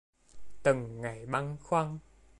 Từng ngày băn khoăn